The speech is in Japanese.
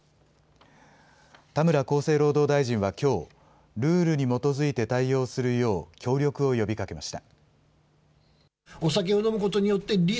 田村厚生労働大臣はきょう、ルールに基づいて対応するよう協力を呼びかけました。